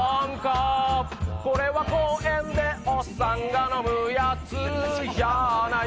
これは公園でおっさんが飲むやつやない。